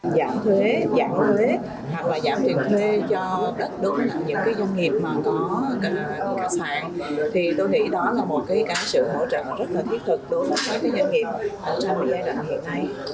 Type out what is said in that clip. cả sản thì tôi nghĩ đó là một cái sự hỗ trợ rất là thiết thực đối với các doanh nghiệp trong giai đoạn hiện nay